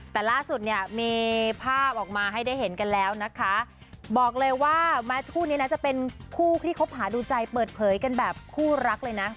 แต่ล่าสุดมีภาพออกมาให้ได้เห็นกันแล้วนะคะ